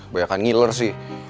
banyak yang ngiler sih